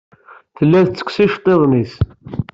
Tella tettekkes iceḍḍiḍen-nnes.